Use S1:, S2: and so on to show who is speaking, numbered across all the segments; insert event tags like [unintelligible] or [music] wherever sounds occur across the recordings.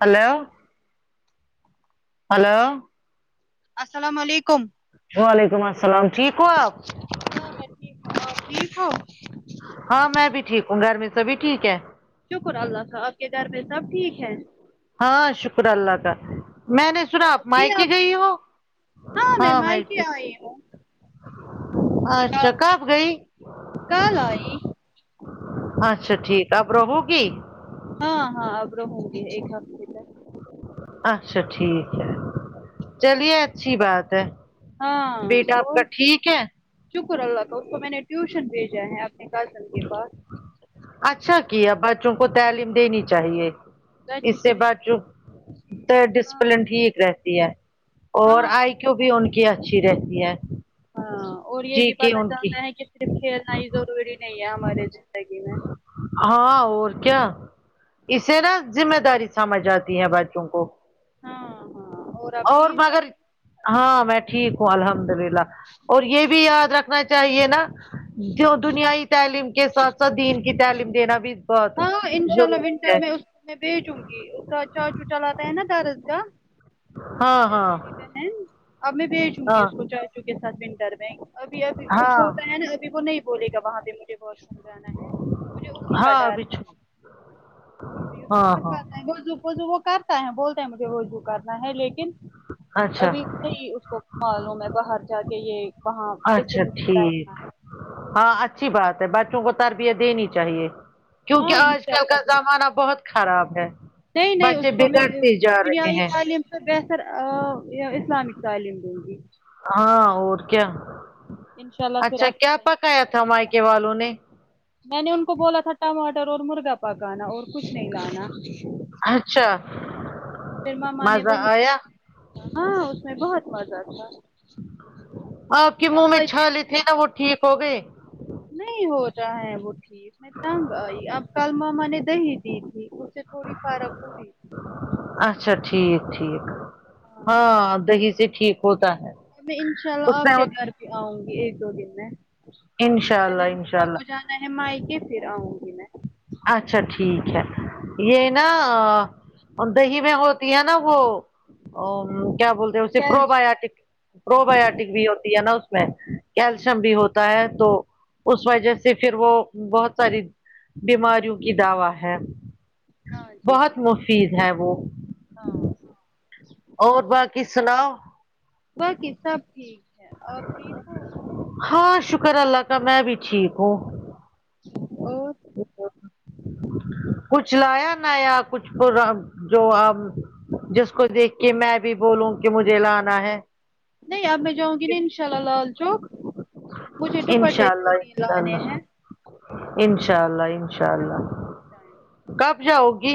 S1: Hello
S2: السلام
S1: hello
S2: السلام علیکم
S1: وعلیکم السلام ٹھیک ہو
S2: ہاں میں ٹھیک آپ ٹھیک ہو
S1: ہاں میں بھی ٹھیک ہوں گھر میں سبھی ٹھیک ہیں
S2: شکر اللہ کا آپ کے گھر پہ سب ٹھیک ہیں
S1: ہاں شکر اللہ کا میں نے سنا آپ
S2: چائے پی
S1: مائکے گئی وہ
S2: نے میں
S1: ہاں
S2: مائکے
S1: مائکی
S2: آئی ہوں
S1: اچھا کب گئی
S2: کل آئی
S1: اچھا ٹھیک اب رہو گی
S2: ہاں ہاں اب رہوں گی ایک ہفتے تک
S1: اچھا ٹھیک ہے چلیے اچھی بات ہے
S2: ہاں
S1: بیٹا آپ کا
S2: اور
S1: ٹھیک ہے
S2: شکر اللہ کا اس کو میں نے ٹیوشن بھیجا ہے اپنے کزن کے پاس
S1: اچھا کیا بچوں کو تعلیم دینی چاہیے اس
S2: بچوں کے
S1: سے
S2: لیے
S1: بچوں تا
S2: ہاں
S1: ڈسپلن ٹھیک رہتی ہے اور
S2: ہاں
S1: آئی کیو
S2: کیا.
S1: بھی ان کی اچھی رہتی ہے
S2: ہاں اور یہ
S1: جی
S2: بھی
S1: کہ
S2: پتا
S1: ان کی
S2: چلتا ہے کہ صرف کھیلنا ہی ضروری نہیں ہے ہمارے ج
S1: ہاں اور کیا اسے نا ذمہ داری سمجھ آتی ہے بچوں کو
S2: ہاں ہاں اور آپ
S1: اور
S2: ٹھیک
S1: مگر ہاں میں ٹھیک ہوں الحمد للہ اور یہ بھی یاد رکھنا چاہیے نا جو دنیاوی تعلیم کے ساتھ ساتھ دین کی تعلیم دینا بھی بہت
S2: ان شاء اللہ
S1: ضروری
S2: ونٹر
S1: ہے
S2: میں اس میں بھیجوں گی اس کا چاچو چلاتا ہے نا درسگاہ اور
S1: ہاں ہاں
S2: چچیری بہن اب میں بھیجوں
S1: ہاں
S2: گی اس کو چاچو کے ساتھ ونٹر میں ابھی ابھی
S1: ہاں
S2: چھوٹا ہے نا اب وہ نہیں بولے گا وہاں پہ مجھے واش روم جانا ہے مجھے اسی کا
S1: ہاں
S2: ڈر ہے
S1: بچھو
S2: ابھی اس
S1: ہاں
S2: بہت
S1: ہاں
S2: بار وضو وضو وہ کرتا ہے بولتا ہے مجھے وضو کرنا ہے لی
S1: ہاں
S2: ابھی نہیں اس کو معلوم ہے باہر جا کے یہ وہاں اسں
S1: اچھا
S2: کرنا
S1: ٹھیک
S2: ہے
S1: ہاں اچھی بات ہے بچوں کو تربیت دینی چاہیے کیونکہ
S2: ہاں
S1: آج
S2: انشاء
S1: کل کا
S2: اللہ دوں گی
S1: زمانہ بہت خراب ہے
S2: نہیں نہیں
S1: بچے
S2: کو میں
S1: بگڑتے جا رہے
S2: دنیائی
S1: ہیں
S2: تعلیم اس سے بہتر آ یا اسلامک تعلیم دوں گی
S1: ہاں اور کیا
S2: انشاء اللہ پھر
S1: اچھا کیا
S2: انسان
S1: پکایا تھا
S2: بنے گا
S1: مائکے والوں نے
S2: میں نے ان کو بولا تھا ٹماٹر اور مرغا پکانا اور کچھ نہیں لانا
S1: اچھا
S2: پھر ماما نے
S1: مزہ
S2: وہی
S1: آیا
S2: ہاں اس میں بہت مزہ تھا
S1: آپ کے منہ میں چھالے تھے اب وہ ٹھیک ہو گئے
S2: نہیں ہو رہا ہے وہ ٹھیک میں تنگ آئی اب کل ماما نے دہی دی تھی پھر تھوڑی فارق ہوگی
S1: اچھا ٹھیک ٹھیک ہاں دہی سے ٹھیک ہوتا ہے
S2: میں انشاء
S1: اس
S2: اللہ آپ
S1: میں
S2: کے گھر پہ آؤں گی ایک دو دن میں
S1: انشاء اللہ انشاء اللہ
S2: پہلے میکہ پھر آؤں گی میں
S1: اچھا ٹھیک ہے یہ نا اور دہی میں ہوتی ہے نا وہ ا کیا بول تے اسے pro
S2: calcium
S1: biotic probiotic بھی ہوتی ہے نا اس کیلشیم بھی ہوتا ہے تو اس وجہ سے پھر وہ بہت ساری بیماریوں کی دوا ہے
S2: ہاں ہاں جی
S1: بہت مفید ہے وہ
S2: ہاں
S1: اور باقی سناؤ
S2: باقی سب ٹھیک ہے آپ ٹھیک ہو
S1: ہاں شکر اللہ کا میں بھی ٹھیک ہوں
S2: اور
S1: کچھ لایا نیا کچھ پرا جو اب جس کو دیکھ کے میں بھی بولوں کہ مجھے لانا ہے
S2: نہیں اب میں جاؤں گی نا ان شاء اللہ لال چوک مجھے
S1: انشاء
S2: ڈوپٹے جو بھی
S1: اللہ انشاء
S2: لانے ہیں
S1: اللہ انشاء اللہ انشاء اللہ کب جاؤ گی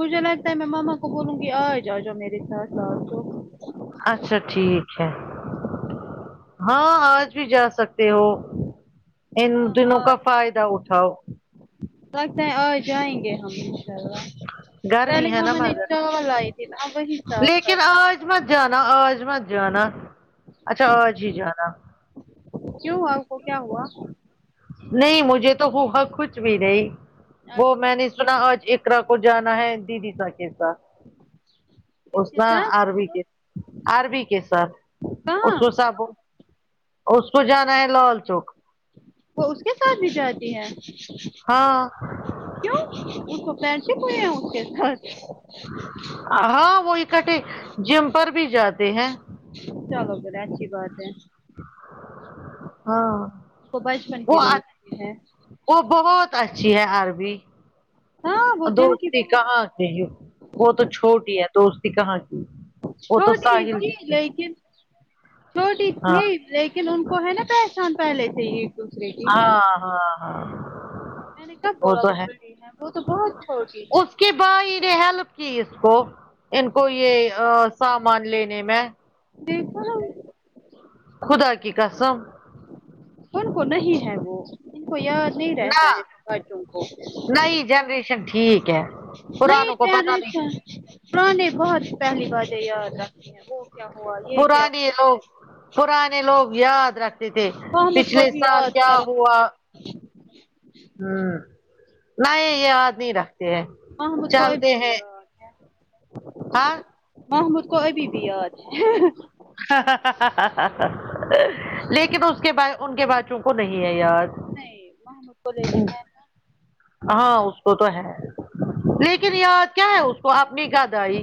S2: مجھے لگتا ہے میں ماما کو بولوں گی آج آجاؤ میرے ساتھ لال چوک
S1: اچھا ٹھیک ہے ہاں آج بھی جا سکتے ہو ان
S2: ہاں
S1: دنوں کا
S2: آج
S1: فائدہ اٹھاؤ
S2: لگتا ہے آ جائیں گے ہم انشاء اللہ
S1: گرمی
S2: پہلے
S1: ہے نا
S2: مما نے
S1: مگر
S2: شال لائی تھی نا وہ ہی شال
S1: لیکن آج مت جانا آج مت جانا اچھا آج ہی جانا
S2: کیوں آپ کو کیا ہوا
S1: نہیں مجھے تو ہوا کچھ بھی نہیں وہ
S2: اچھا
S1: میں نے سنا آج اقرا کو جانا ہے دیدی سے کہ ساتھ
S2: کس
S1: اس
S2: کے
S1: نہ
S2: ساتھ
S1: ار وی کے ار بی کے ساتھ اس
S2: کہاں
S1: وس کو اس کو جانا ہے لال چوک
S2: وہ اس کے ساتھ بھی جاتی ہے
S1: ہاں
S2: کیوں ان کو پیسے کھوہاہا ان کہ ساتھ
S1: ہاں وہ اکٹھے جم پر بھی جاتے ہیں
S2: چلو پھر اچھی بات ہے
S1: ہاں
S2: وہ بچپن کی
S1: وہ
S2: دوستی ہے
S1: وہ بہت اچھی ہے عربی
S2: ہاں وہ دل کی
S1: دوستی کہاں
S2: بہت
S1: کی وہ تو چھوٹی ہے دوستی کہاں کی وہ تو
S2: چھوٹی
S1: ساحل
S2: تھی
S1: کی ہے
S2: لیکن چھوٹی
S1: ہاں
S2: تھی لیکن ان کو ہے نا پہچان پہلے سے ہی دوسرے کی
S1: ہاں ہاں ہاں
S2: میں نے کب
S1: وہ
S2: بولا
S1: تو
S2: بکل [unintelligible] ہے وہ تو بہت چھوٹی ہے
S1: کہ بھائی ان نے ہیلپ کی اس کو ان کو یہ سامان لینے میں
S2: دیکھا ہم
S1: خدا کی قسم
S2: ان کو نہیں ہے وہ ان کو یاد نہیں
S1: نہ
S2: رہتا ہے بچوں کو
S1: نئی جنریشن ٹھیک ہے
S2: نہیں
S1: پرانوں کو پتہ
S2: تریس
S1: نہیں
S2: پر نے بہت پہلی برتھڈے یاد رکھتی ہیں وہ کیا ہوا یہ کیا
S1: پرانے لوگ پرانے لوگ یاد رکھ تیتہاک
S2: محمود کو
S1: پچھلے
S2: بھی
S1: سال
S2: یاد
S1: کیا
S2: کرو
S1: ہوا ہوں نہیں یہ یاد نہیں رکھتے ہیں
S2: ہا مجھ کو ابھی
S1: چلتے
S2: بھی
S1: ہیں
S2: یاد ہے
S1: ہاں
S2: ہا مجھ کو ابھی بھی یاد ہے
S1: لیکن اس کے بائے ان کے بچوں کو نہیں ہے یاد
S2: نہیں محمد کو لے کے ہے نہ
S1: ہاں اس کو تو ہے لیکن یاد کیا ہے اس کو آپ نے گدھے اے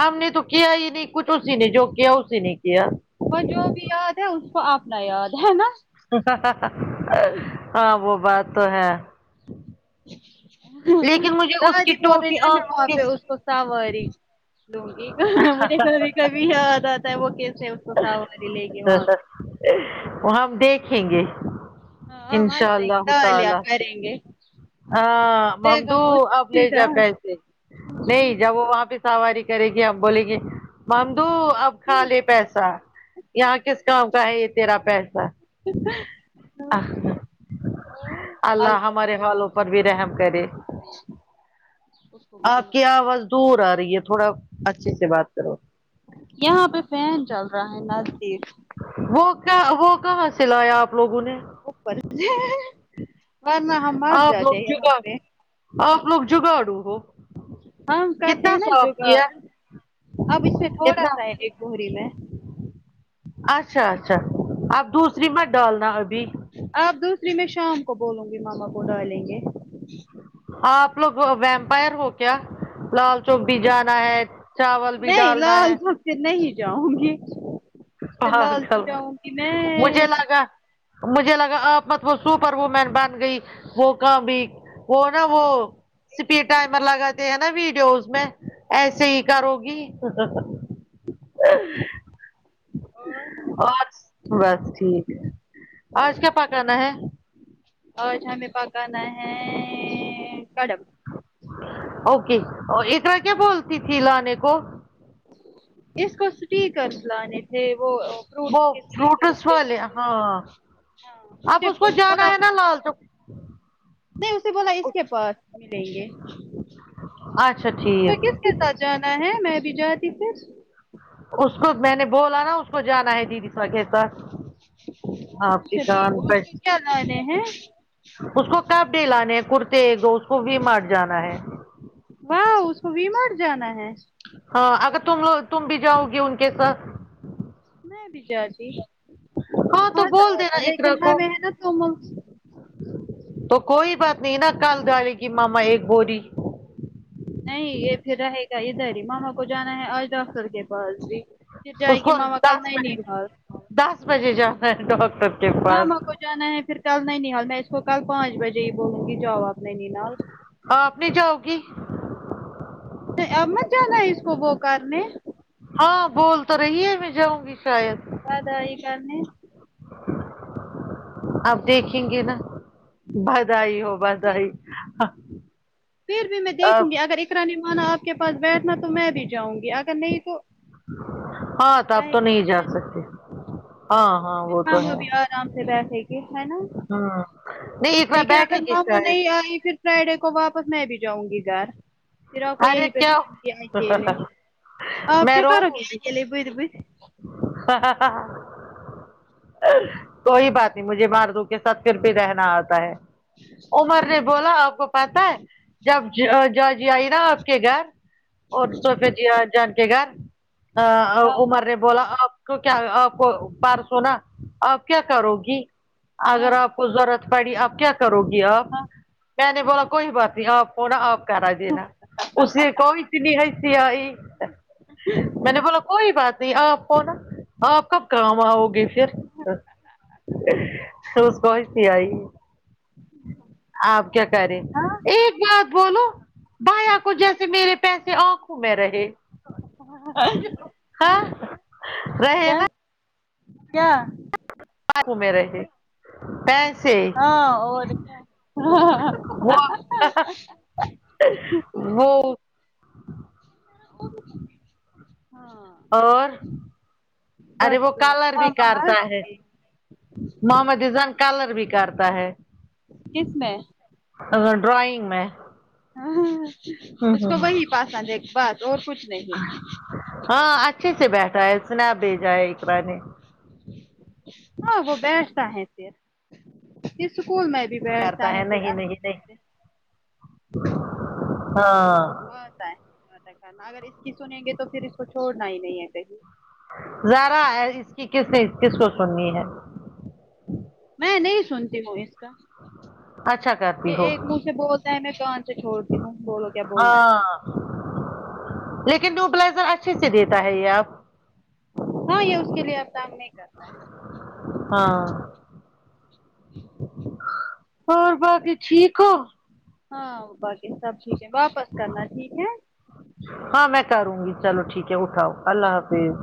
S1: ہم نے تو کیا ہی نہیں کچھ اسی نہیں جو کیا اسی نہیں کیا
S2: اور جو بھی یاد ہے اس کو اپنا یاد ہے نا
S1: ہاں وہ بات تو ہے لیکن مجھے اس کی
S2: دادی
S1: ٹوپی
S2: پورانہ میں
S1: آنکھوں
S2: وہاں
S1: کے
S2: پہ اس کو ساواری لوں گی کہ مجھے کبھی کبھی یاد آتا ہے وہ کیسے کو سواری لے گی وہاں پہ
S1: وہ ہم دیکھیں گے
S2: ہاں
S1: انشاء
S2: مست
S1: اللہ ہو
S2: گالیاں
S1: تعالی
S2: کریں گے
S1: ہاں
S2: دیکھو
S1: ممدو
S2: وہ
S1: اب لے
S2: سیدھا
S1: جا پیسے لے جا وہ وہاں پہ سواری کرے گی اب بولے گی ممدو اب کھا لے پیسہ یہاں کس کام کا ہے یہ تیرا پیسہ
S2: ارو اور اللہ
S1: ہمارے حالوں پر بھی رحم کرے
S2: اس کو بھی
S1: آپ
S2: گناہ
S1: کی آواز دور آ رہی ہے تھوڑا اچھے سے بات کرو
S2: یہاں پہ فین چل رہا ہے نزدیک
S1: وہ کہ وہ کہاں سے لایا آپ لوگوں نے
S2: اوپر ورنہ ہم مار
S1: آپ
S2: جاتے
S1: لوگ
S2: ہیں وہاں
S1: جگاڑ
S2: پہ
S1: آپ لوگ جگاڑو ہو
S2: ہم کرتے
S1: کتنا
S2: ہیں نا
S1: صاف
S2: جوگاڑ
S1: کیا
S2: اب اس میں تھوڑا
S1: کتنا
S2: سا ہے ایڈٹ گھوری میں
S1: اچھا اچھا اب دوسری مت ڈالنا ابھی
S2: آپ دوسری میں شام کو بولوں گی ماما کو ڈالیں گے
S1: آپ لوگ ویمپائر ہو کیا لال چوک بھی جانا ہے چاول بھی
S2: نہیں
S1: ڈالنا ہے
S2: لال تو پھر نہیں جاؤں گی پھر لال
S1: پاگل
S2: چوک جاؤں گی
S1: مجھے
S2: میں
S1: لگا مجھے لگا آپ مت وہ سوپر وومین بن گئی وہ کام بھی وہ نہ وہ اسپیڈ ٹائمر لگاتے ہیں نا ویڈیوز میں ایسے ہی کرو گی
S2: [inaudible]
S1: اور بس ٹھیک ہے آج کیا پکانا ہے
S2: آج ہمیں پکانا ہے کڑم
S1: اوکے اور اقراء کیا بولتی تھی لانے کو
S2: اس کو سٹی کر لانے تھے وہ فروٹ
S1: وہ
S2: کے
S1: فروٹس
S2: اسٹیکرس
S1: والے ہاں
S2: ہاں
S1: اب
S2: مجھے
S1: اس کو جانا ہے نا
S2: بولا
S1: لال تو [inaudible]
S2: نہیں اسے بولا اس کے پاس ملیں گے
S1: اچھا ٹھیک
S2: پھر کس کس ساتھ جانا ہے میں بھی جاتی پھر
S1: اس کو میں نے بولا نا اس کو جانا ہے دیدی سا کے ساتھ آپ کی کان پر
S2: اس کی کیا لانے ہیں
S1: اس کو کپڑے لانے ہیں کرتے تو اس کو بھی مارٹ جانا ہے
S2: واہ اس کو بھی وی مارٹ جانا ہے
S1: ہاں اگر تم لو تم بھی جاؤ گی ان کے ساتھ
S2: میں بھی جاتی
S1: تو
S2: ہاں
S1: بول
S2: ہتا
S1: دینا اقرا
S2: لیکن
S1: کو
S2: ہمیں نا تو
S1: تو کوئی بات نہیں نا کال دوالی کی ماما ایک بوری
S2: نہیں یہ پھر رہے گا ادھر ہی ماما کو جانا ہے آج ڈاکٹر کے پاس بھی پھر جائے
S1: اس
S2: گی
S1: کو
S2: ماما کل
S1: دس بجے
S2: نانیحال
S1: دس بجے جانا ہے ڈاکٹر کے پاس
S2: ماما کو جانا ہے پھر کل نانی حال میں اس کو کل پانچ بجے ہی بولوں گی جاو اپ نانی حال
S1: آپ نہیں جاؤگی
S2: نہیں اب مت جانا اسکو وہ کرنے
S1: ہاں بول تو رہی ہے میں جاؤں گی شاید
S2: ہدای کر نے
S1: آپ دیکھیں گے نا بدھائی ہو
S2: پھر
S1: بدھائ
S2: پھر بھی میں دیکھوں گی اگر اقرا نے مانا آپ کے پاس بیٹھنا تو میں بھی جاؤں گی اگر نہیں تو
S1: ہاں تب تو نہیں جا سکتے ہاں ہاں
S2: پھر
S1: وہ تو
S2: میں
S1: ہے
S2: بھی آرام پیسے کے ہے نا
S1: ہوں نہیں ایک بار
S2: لیکن
S1: بیٹھے
S2: اگر
S1: گی
S2: ماما
S1: شاید
S2: نہیں آئی پھر فرائیڈے کو واپس میں بھی جاؤں گی گھر پھر آپ کوئی
S1: ارے
S2: یہی پے
S1: کیا
S2: چھوڑ کے اکیلے آپ
S1: میں
S2: کیا
S1: روؤں
S2: کروگی
S1: گی
S2: اکیلے پھر بھی
S1: کوئی بات مجھے مردو کے ساتھ پھر پہ رہنا آتا ہے عمر نے بولا آپ کو پتا ہے جب جاجی آئی نا آپ کے گھر اور تو پھر دیہ جان کے گھر
S2: ہاں
S1: عمر نے بولا کو کیا آپ کو پرسو نہ آپ کیا کرو گی اگر
S2: ہاں
S1: آپ ضرورت پڑی آپ کیا کرو گی آپ
S2: ہاں
S1: میں نے بولا کوئی بات نہیں آپ تھوڑا آپ کرا دینا اس سے کوئی اتنی ہسی آئی میں نے بولا کوئی بات نہیں آپ ہونا آپ کب کام آؤ گے پھر اس کو ہسی آئی آپ کیا کریں
S2: ہاں
S1: ایک بات بولو بھیا کو جیسے میرے پیسے آکھ کھوں میں رہے
S2: ہاں
S1: رہے
S2: کیا
S1: نا
S2: کیا
S1: گھومے [unintelligible] رہے تھ پیسے
S2: ہاں اور کیا ہاں
S1: وہ
S2: ہ ہ
S1: وہ
S2: ہاں
S1: اور ارے
S2: بس
S1: وہ کلر
S2: دعا
S1: بھی
S2: ماما
S1: کرتا
S2: ہنس
S1: ہے
S2: گئی
S1: محمد اذہان کالر بھی کرتا ہے
S2: کس میں
S1: ہ ڈرائینگ میں
S2: ہاں
S1: ہوں
S2: اس کو
S1: ہ
S2: وہی پسند ایک بس اور کچھ نہیں
S1: ہاں اچھے سے بیٹھا ہے اسنپ بھیجا ہے اقرا نے
S2: ہاں وہ بیٹھتا ہے پھر اسکول میں بھی بیٹھتا
S1: کرتا
S2: ہے پھر اچھے سے
S1: [unintelligible]
S2: ہاں اس کو آتا ہے آتا ہے کرنا اگر اس کی سنیں گے تو پھر اس کو چھوڑنا ہی نہیں ہے کہیں
S1: ذرا ہے اس کی کس سے کس کو سننی ہے
S2: میں نہیں سنتی وائس
S1: اچھا کرتی
S2: یہ
S1: ہو
S2: ایک منہ سے بولتا ہے میں کان سے چھوڑتی ہوں بولو کیا بولنا ہے
S1: ہاں لیکن نیوبلائزر اچھے سے دیتا ہے یہ آپ
S2: ہاں یہ اس کے لیے اب کام نہیں کرتا ہے
S1: ہاں اور باقی ٹھیک ہو
S2: ہاں باقی سب ٹھیک ہے واپس کرنا ٹھیک ہے
S1: ہاں میں کروں گی چلو ٹھیک ہے اٹھاؤ اللہ حافظ